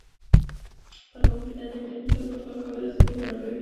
کاروونکو ته د انټرنیټ سره ګډ کار کول اسانتیا برابر وي.